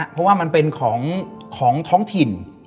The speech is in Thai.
เพราะว่ามันเป็นของท้องถิ่น